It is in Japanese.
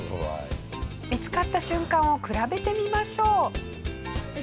見つかった瞬間を比べてみましょう。